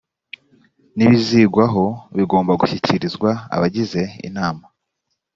n ibizigwaho bigomba gushyikirizwa abagize inama